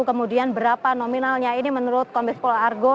kemudian berapa nominalnya ini menurut komis polargo